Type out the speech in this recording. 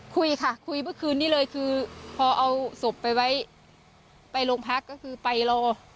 คุยค่ะคุยเมื่อคืนนี้เลยคือพอเอาศพไปไว้ไปโรงพักก็คือไปรอ